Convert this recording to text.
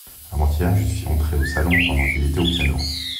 Avant-hier, je suis entré au salon pendant qu’il était au piano…